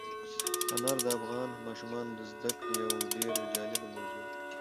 انار د افغان ماشومانو د زده کړې یوه ډېره جالبه موضوع ده.